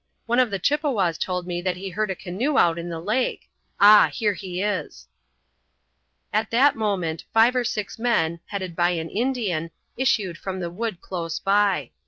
"One of the Chippewas told me that he heard a canoe out in the lake. Ah! here he is." At that moment five or six men, headed by an Indian, issued from the wood close by.